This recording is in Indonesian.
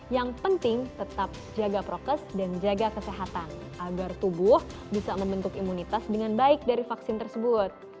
yang penting tetap jaga prokes dan jaga kesehatan agar tubuh bisa membentuk imunitas dengan baik dari vaksin tersebut